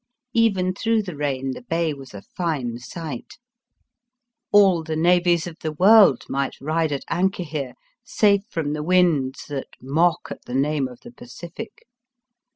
Even through the rain the bay was a fine sight. All the navies of the world might ride at anchor here safe from the winds that mock at the name of the Pacific.